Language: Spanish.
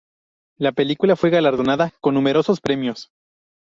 La película fue galardonada con numerosos premios.